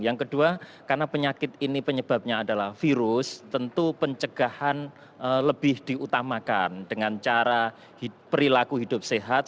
yang kedua karena penyakit ini penyebabnya adalah virus tentu pencegahan lebih diutamakan dengan cara perilaku hidup sehat